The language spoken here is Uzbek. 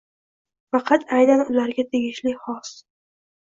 Faqat aynan ularga tegishli xos.